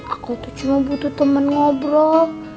aku tuh cuma butuh teman ngobrol